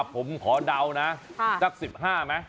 ผมขอเดานะสัก๑๕ไหม